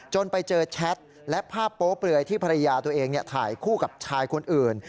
ไปเจอแชทและภาพโป๊เปลือยที่ภรรยาตัวเองถ่ายคู่กับชายคนอื่น